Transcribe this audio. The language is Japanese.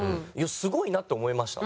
すごいなって思いました。